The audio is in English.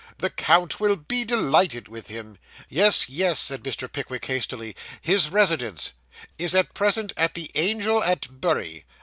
The count will be delighted with him.' 'Yes, yes,' said Mr. Pickwick hastily. 'His residence ' 'Is at present at the Angel at Bury.